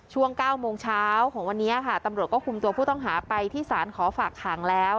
ช่วง๙โมงเช้าของวันนี้ค่ะตำรวจก็คุมตัวผู้ต้องหาไปที่ศาลขอฝากขังแล้ว